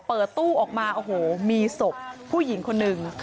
เปิดตู้ออกมาโอ้โหมีศพผู้หญิงคนหนึ่ง